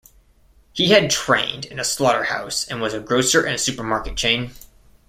He had trained in a slaughterhouse and was a grocer in a supermarket chain'.